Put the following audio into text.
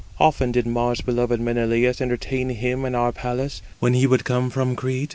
Often did Mars beloved Menelaus entertain him in our palace, when he would come from Crete.